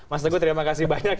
mas teguh terima kasih banyak